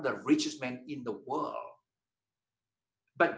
seorang pengembang yang berharga di dunia